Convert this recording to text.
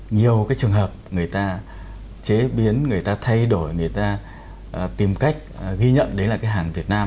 nhiều cái trường hợp người ta chế biến người ta thay đổi người ta tìm cách ghi nhận đấy là cái hàng việt nam